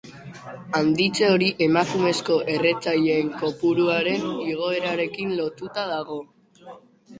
Handitze hori emakumezko erretzaileen kopuruaren igoerarekin lotuta dago.